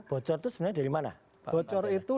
bocor itu sebenarnya dari mana bocor itu